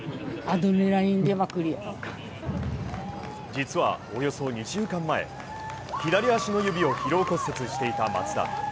実はおよそ２週間前左足の指を疲労骨折していた松田。